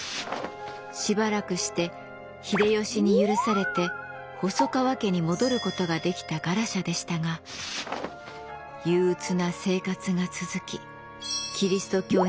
しばらくして秀吉に許されて細川家に戻ることができたガラシャでしたが憂鬱な生活が続きキリスト教にのめり込んでゆきます。